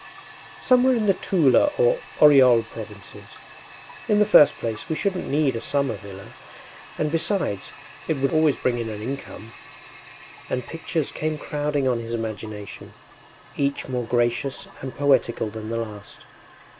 “Somewhere in the Tula or Oryol provinces.... In the first place we shouldn’t need a summer villa, and besides, it would always bring in an income.” And pictures came crowding on his imagination, each more gracious and poetical than the last.